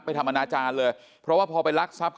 ทำอนาจารย์เลยเพราะว่าพอไปรักทรัพย์